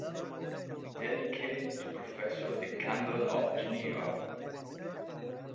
Dedicated to Professor De Candolle of Geneva".